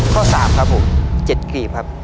ข้อสามครับผมเจ็ดกรีบครับ